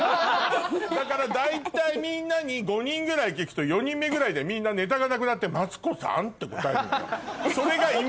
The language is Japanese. だから大体みんなに５人ぐらい聞くと４人目ぐらいでみんなネタがなくなってマツコさんって答えるのよ。